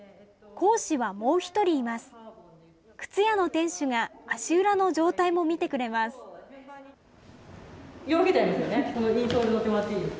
講師はもう一人います。